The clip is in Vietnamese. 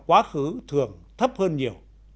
quá khứ thường thấp hơn nhiều